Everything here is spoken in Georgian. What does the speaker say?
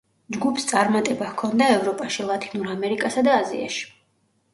ჯგუფს წარმატება ჰქონდა ევროპაში, ლათინურ ამერიკასა და აზიაში.